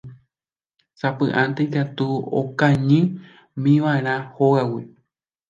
Sapy'ánte katu okañýmiva'erã hógagui.